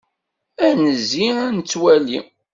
Ad d-nezzi, ad nettwali.